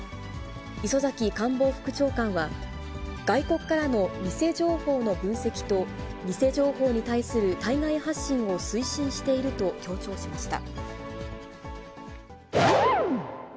磯崎官房副長官は、外国からの偽情報の分析と、偽情報に対する対外発信を推進していると強調しました。